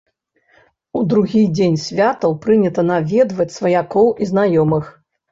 У другі дзень святаў прынята наведваць сваякоў і знаёмых.